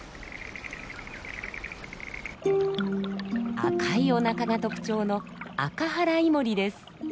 赤いおなかが特徴のアカハライモリです。